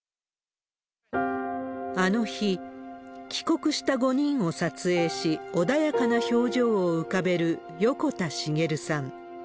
あの日、帰国した５人を撮影し、穏やかな表情を浮かべる横田滋さん。